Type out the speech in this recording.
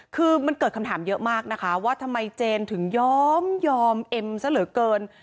คือมันเกิดคำถามเยอะมากนะคะว่าทำไมเจนถึงยอมยอมเอ็มซะเหลือเกิน